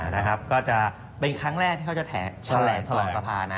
นะครับก็จะเป็นครั้งแรกที่เขาจะแถลงตลอดสภานะ